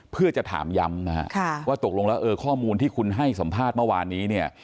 เพื่อจะถามย้ำนะฮะว่าตกลงแล้วเออข้อมูลที่คุณให้สัมภาษณ์เมื่อวานนี้เนี่ย